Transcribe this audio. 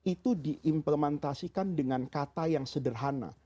itu diimplementasikan dengan kata yang sederhana